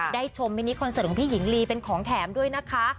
ชมมินิคอนเสิร์ตของพี่หญิงลีเป็นของแถมด้วยนะคะ